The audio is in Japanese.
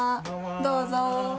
どうぞ。